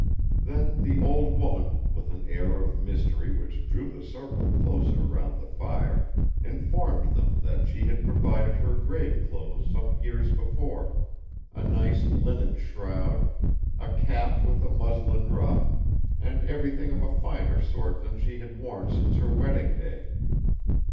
Then the old woman, with an air of mystery which drew the circle closer round the fire, informed them that she had provided her grave clothes some years before a nice linen shroud, a cap with a muslin ruff, and everything of a finer sort than she had worn since her wedding day.